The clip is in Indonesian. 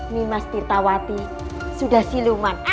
nimas tirtawati sudah siluman